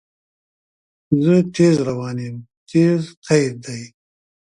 زه تیز روان یم – "تیز" قید دی.